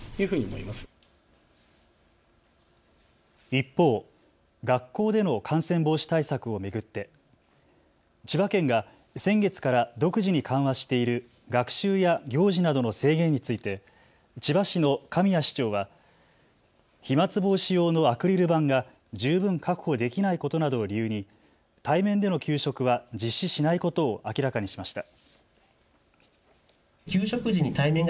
一方、学校での感染防止対策を巡って千葉県が先月から独自に緩和している学習や行事などの制限について千葉市の神谷市長は飛まつ防止用のアクリル板が十分確保できないことなどを理由に対面での給食は実施しないことを明らかにしました。